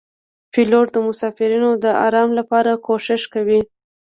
پیلوټ د مسافرینو د آرام لپاره کوښښ کوي.